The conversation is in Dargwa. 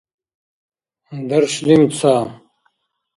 даршлим ца